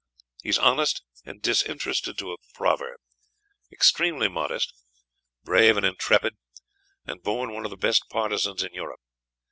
He is honest and disinterested to a proverb extremely modest brave and intrepid and born one of the best partisans in Europe.